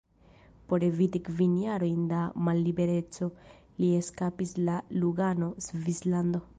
Por eviti kvin jarojn da mallibereco, li eskapis al Lugano, Svislando.